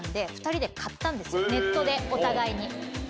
ネットでお互いに。